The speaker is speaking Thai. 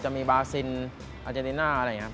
จะมีบาซินอาเจติน่าอะไรอย่างนี้ครับ